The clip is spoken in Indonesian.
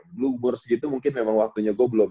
blue bores gitu mungkin memang waktunya gue belum